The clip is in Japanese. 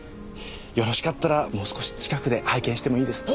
よろしかったらもう少し近くで拝見してもいいですか？